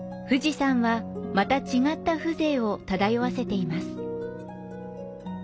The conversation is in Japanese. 富士山はまた違った風情を漂わせています。